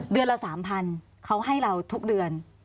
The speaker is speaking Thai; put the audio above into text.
เดือนละ๓๐๐เขาให้เราทุกเดือน